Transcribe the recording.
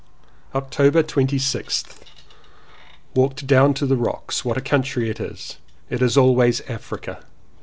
October 26th. Walked down to the rocks. What a country it is ! It is always Africa